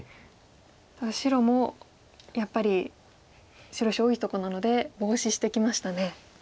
白もやっぱり白石多いとこなのでボウシしてきましたね。